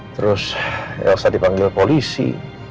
terus elsa dipanggil polisi